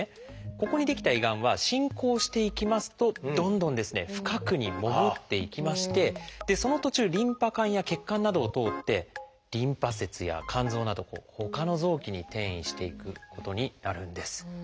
ここに出来た胃がんは進行していきますとどんどん深くに潜っていきましてその途中リンパ管や血管などを通ってリンパ節や肝臓などほかの臓器に転移していくことになるんです。